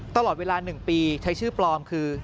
ตลอดเวลา๑ปีใช้ชื่อปลอมคือ